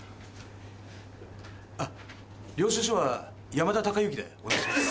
あっ領収書は「山田孝之」でお願いします。